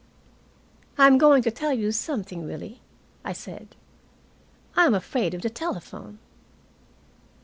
"I'm going to tell you something, Willie," I said. "I am afraid of the telephone."